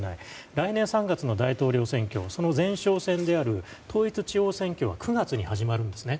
来年３月の大統領選挙その前哨戦である統一地方選挙が９月に始まるんですね。